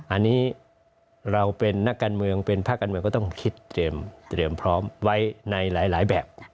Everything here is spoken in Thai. อันนี้เราเป็นนักการเมืองเป็นภาคการเมืองก็ต้องคิดเตรียมพร้อมไว้ในหลายแบบ